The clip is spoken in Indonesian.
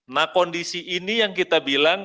nah kondisi ini yang kita bilang